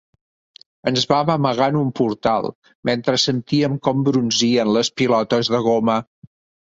Ens vam amagar en un portal, mentre sentíem com brunzien les pilotes de goma.